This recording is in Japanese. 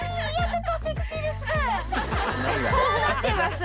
こうなってます。